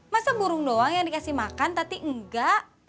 masa burung doang yang dikasih makan tapi enggak